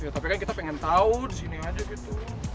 tapi kan kita pengen tau disini aja gitu